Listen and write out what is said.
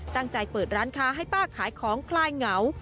เปิดร้านค้าให้ป้าขายของคลายเหงา